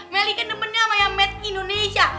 melihkan temennya sama yang made indonesia